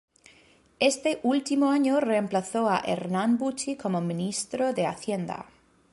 Ese último año reemplazó a Hernán Büchi como ministro de Hacienda.